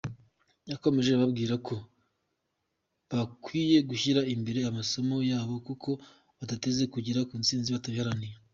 Yakomeje ababwira ko bakwiye gushyira imbere amasomo yabo kuko badateze kugera ku ntsinzi batabiharaniye.